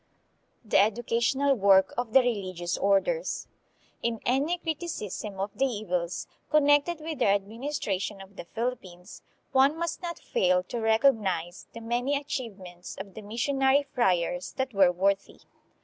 The Educational Work of the Religious Orders In any criticism of the evils connected with their administra tion of the Philippines, one must not fail to recognize the many achievements of the missionary friars that were worthy.